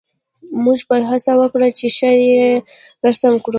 موږ به هڅه وکړو چې ښه یې رسم کړو